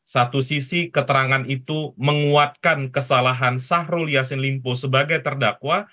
satu sisi keterangan itu menguatkan kesalahan sahrul yassin limpo sebagai terdakwa